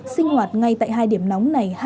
sinh hoạt ngay tại hai điểm nóng này